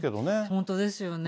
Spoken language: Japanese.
本当ですよね。